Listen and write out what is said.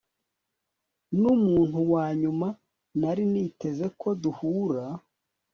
numuntu wanyuma nari niteze ko duhura